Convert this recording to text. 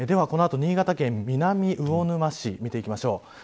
この後、新潟県南魚沼市を見ていきましょう。